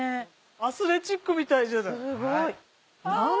アスレチックみたいじゃない。